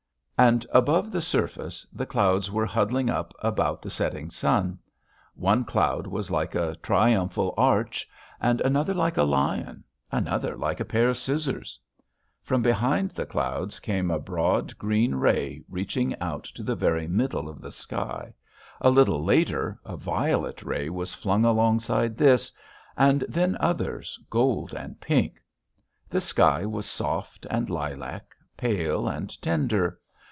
And above the surface, the clouds were huddling up about the setting sun; one cloud was like a triumphal arch, another like a lion, another like a pair of scissors.... From behind the clouds came a broad green ray reaching up to the very middle of the sky; a little later a violet ray was flung alongside this, and then others gold and pink.... The sky was soft and lilac, pale and tender.